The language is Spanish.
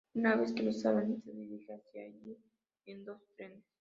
Una vez que lo saben, se dirigen hacia allí en dos trenes.